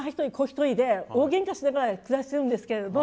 一人で大げんかしながら暮らしてるんですけれども